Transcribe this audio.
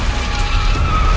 ya udah aku nelfon